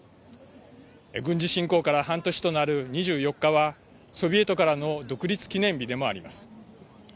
軍事侵攻から半年となる２４日はソビエトからの独立記念日でもあります。